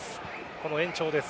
この延長です。